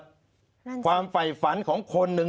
นั่นสิค่ะความไฟฝันของคนนึง